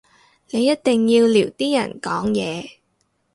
你一定要撩啲人講嘢